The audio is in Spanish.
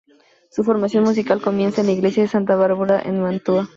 Su formación musical comienza en la iglesia de Santa Bárbara en Mantua.